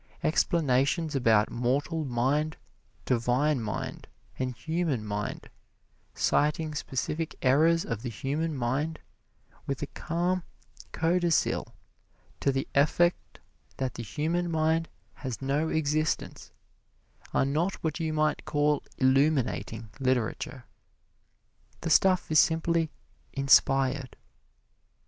Explanations about mortal mind, divine mind and human mind, citing specific errors of the human mind, with a calm codicil to the effect that the human mind has no existence, are not what you might call illuminating literature. The stuff is simply "inspired."